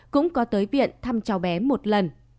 cũng có tới viện thăm cháu bé một lần